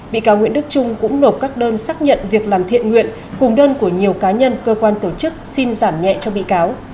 bị cáo nguyễn đức trung cũng nộp các đơn xác nhận việc làm thiện nguyện cùng đơn của nhiều cá nhân cơ quan tổ chức xin giảm nhẹ cho bị cáo